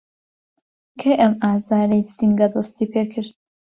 کەی ئەم ئازاری سنگه دەستی پیکرد؟